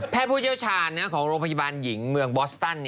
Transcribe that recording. แพทย์ผู้เจ้าชาญของโรคพยาบาลหญิงเมืองบอสตัน